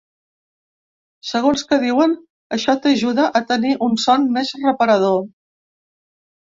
Segons que diuen, això t’ajuda a tenir un son més reparador.